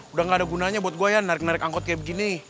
udah gak ada gunanya buat gue ya narik narik angkot kayak begini